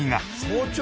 早朝？